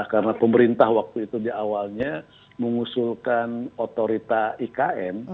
karena pemerintah waktu itu diawalnya mengusulkan otorita ikn